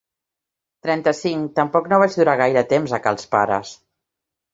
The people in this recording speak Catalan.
Trenta-cinc tampoc no vaig durar gaire temps a cals pares.